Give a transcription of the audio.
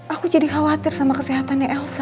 aku jadi khawatir sama kesehatannya elsa